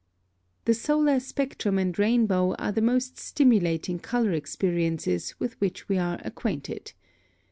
+ (15) The solar spectrum and rainbow are the most stimulating color experiences with which we are acquainted.